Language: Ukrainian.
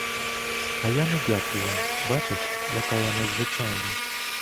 А я не дякую, бачиш, яка я незвичайна?